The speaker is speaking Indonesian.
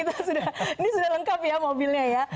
ini sudah lengkap ya mobilnya ya